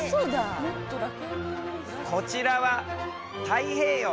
こちらは太平洋。